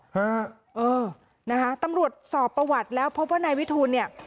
ฮะเออนะคะตำรวจสอบประวัติแล้วพบว่านายวิทูลเนี่ย